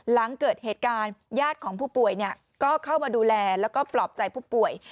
หลังเกิดเหตุการณ์ญาติของผู้ป่วยก็เข้ามาดูแลแล้วก็ปลอบใจผู้ป่วย